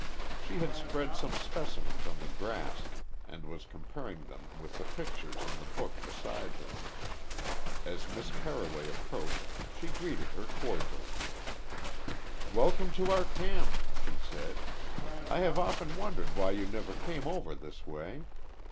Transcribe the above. She had spread some specimens on the grass and was comparing them with the pictures in the book beside her. As Miss Carroway approached, she greeted her cordially. "Welcome to our camp," she said. "I have often wondered why you never came over this way.